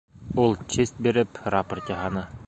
Ул честь биреп, рапорт яһаны.